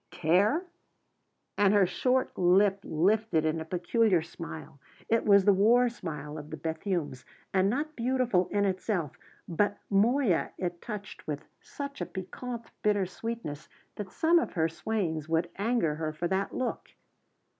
Care! And her short lip lifted in a peculiar smile; it was the war smile of the Bethunes, and not beautiful in itself, but Moya it touched with such a piquant bitter sweetness that some of her swains would anger her for that very look.